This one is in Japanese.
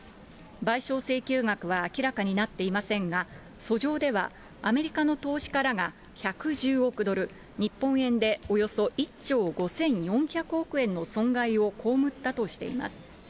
賠償請求額は明らかになっていませんが、訴状では、アメリカの投資家らが１１０億ドル、日本円でおよそ１兆５４００億円の損害を被ったとしています。